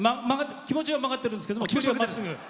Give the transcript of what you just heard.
気持ちは曲がってるんですけどきゅうりは、まっすぐ。